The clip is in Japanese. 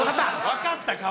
分かった顔